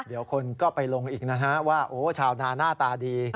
เดี๋ยวคนก็ไปลงอีกนะฮะว่าโอ้ชาวนาหน้าตาดี